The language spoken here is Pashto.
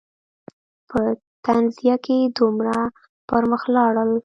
په تنزیه کې دومره پر مخ لاړل.